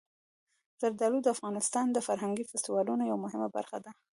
زردالو د افغانستان د فرهنګي فستیوالونو یوه مهمه برخه ده.